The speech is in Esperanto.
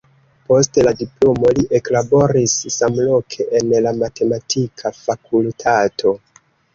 Post la diplomo li eklaboris samloke en la matematika fakultato.